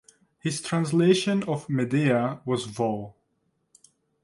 His translation of "Medea" was vol.